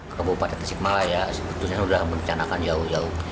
kepala bupati tasikmalaya sebetulnya sudah mencanakan jauh jauh